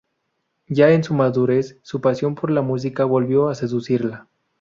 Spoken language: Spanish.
Ya en su madurez, su pasión por la música volvió a seducirla.